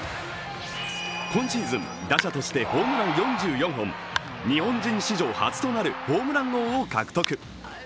今シーズン、打者としてホームラン４４本、日本人史上初となるホームラン王を獲得。